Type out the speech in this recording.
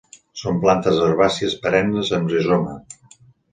Són plantes herbàcies perennes amb rizoma.